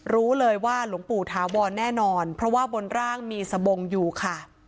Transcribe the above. รู้เลยว่าหลวงปู่ถาวรแน่นอนเพราะว่าบนร่างมีสบงอยู่ค่ะ